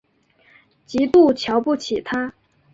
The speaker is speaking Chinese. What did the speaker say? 极度瞧不起他